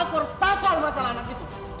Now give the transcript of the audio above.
aku harus takut masalah anak itu